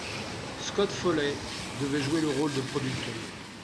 Scott Foley devait jouer le rôle de producteur.